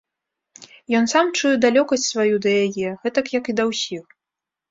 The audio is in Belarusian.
Ён сам чуе далёкасць сваю да яе, гэтак як і да ўсіх.